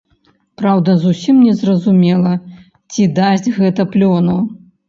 Праўда, зусім незразумела, ці дасць гэта плёну.